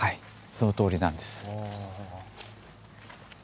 そのとおりなんです。